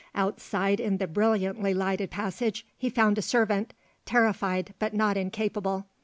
Outside in the brilliantly lighted passage he found a servant, terrified but not incapable.